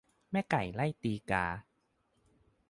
แม่ไก่ไล่ตีกา